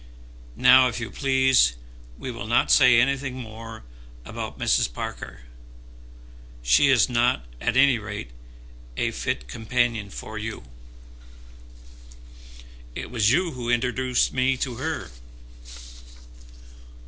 Now, if you please, we will not say anything more about Mrs. Parker. She is not at any rate a fit companion for you." "It was you who introduced me to her."